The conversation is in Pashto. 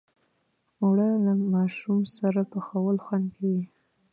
اوړه له ماشوم سره پخول خوند کوي